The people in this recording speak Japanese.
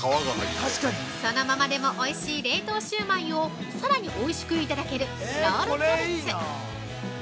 ◆そのままでもおいしい冷凍焼売をさらにおいしくいただけるロールキャベツ！